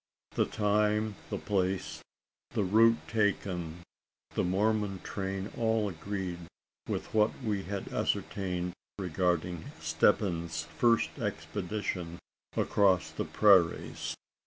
The time the place the route taken the Mormon train all agreed with what we had ascertained regarding Stebbins's first expedition across the prairies.